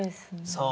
そう。